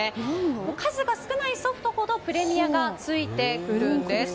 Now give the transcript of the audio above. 数が少ないソフトほどプレミアがついてくるそうです。